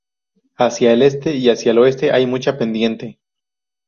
Hacia el este y hacia el oeste hay mucha pendiente.